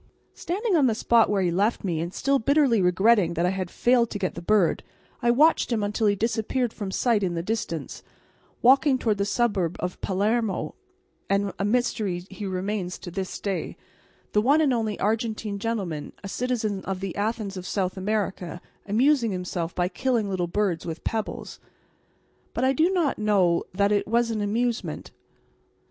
Standing on the spot where he left me, and still bitterly regretting that I had failed to get the bird, I watched him until he disappeared from sight in the distance, walking towards the suburb of Palermo; and a mystery he remains to this day, the one and only Argentine gentleman, a citizen of the Athens of South America, amusing himself by killing little birds with pebbles. But I do not know that it was an amusement.